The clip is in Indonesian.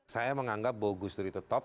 saya menganggap bahwa gusdur itu top